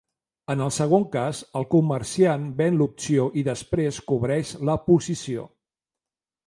En el segon cas, el comerciant ven l'opció i després cobreix la posició.